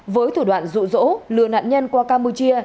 với thủ đoạn rụ rỗ lừa nạn nhân qua campuchia